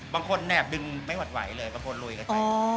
บางคนแนบดึงไม่ไหวเลยประโยชน์ลุยกันไป